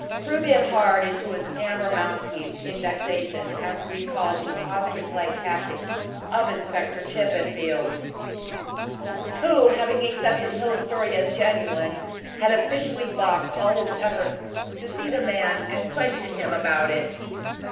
Crewe bit hard into his amber mouthpiece in vexation as he recalled the ostrich like tactics of Inspector Chippenfield, who, having accepted Hill's story as genuine, had officially baulked all his efforts to see the man and question him about it.